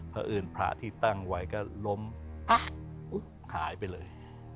เพราะอื่นพระที่ตั้งไว้ก็ล้มปั๊ะหายไปเลย